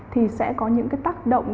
thì sẽ có những cái tác động